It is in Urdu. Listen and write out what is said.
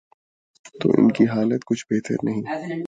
تو ان کی حالت کچھ بہتر نہیں۔